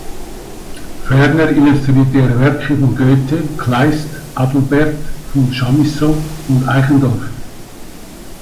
Ferner illustrierte er Werke von Goethe, Kleist, Adelbert von Chamisso und Eichendorff.